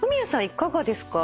いかがですか？